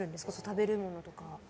食べるものとか。